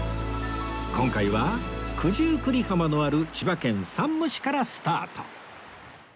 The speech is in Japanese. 今回は九十九里浜のある千葉県山武市からスタート